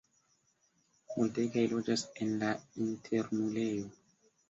Multegaj loĝas en la internulejo.